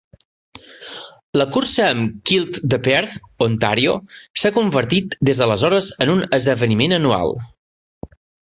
La cursa amb kilt de Perth, Ontario, s'ha convertit des d'aleshores en un esdeveniment anual.